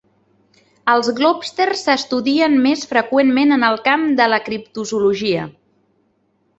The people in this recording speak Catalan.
Els "globsters" s'estudien més freqüentment en el camp de la criptozoologia.